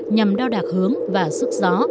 nhằm đao đạc hướng và sức gió